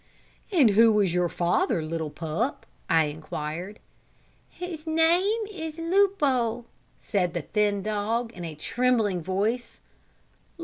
"And who is your father, little pup?" I inquired. "His name is Lupo," said the thin dog, in a trembling voice.